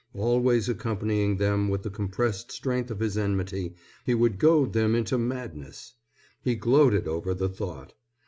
Always accompanying them with the compressed strength of his enmity, he would goad them into madness. He gloated over the thought.